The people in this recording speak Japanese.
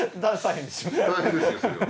大変ですよそれは。